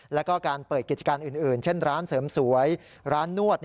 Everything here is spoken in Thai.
แล้วก็การเปิดกิจการอื่นเช่นร้านเสริมสวยร้านนวด